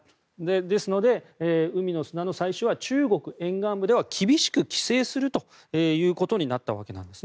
ですので海の砂の採取は中国沿岸部で厳しく規制するということになったわけなんです。